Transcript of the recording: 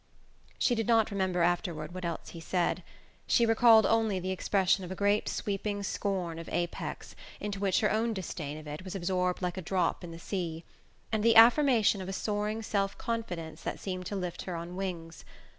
She did not remember afterward what else he said: she recalled only the expression of a great sweeping scorn of Apex, into which her own disdain of it was absorbed like a drop in the sea, and the affirmation of a soaring self confidence that seemed to lift her on wings.